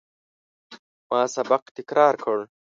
ما سبق تکرار کړ.